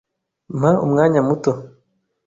Mpa umwanya muto "